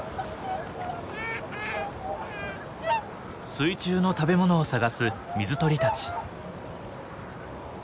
水中の食べ物を探す水鳥たち。